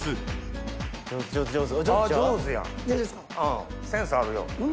うんセンスあるよ。